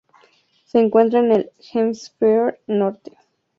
Se encuentra en el Hemisferio Norte.